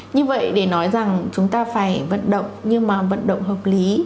như vậy để nói rằng chúng ta phải vận động nhưng mà vận động hợp lý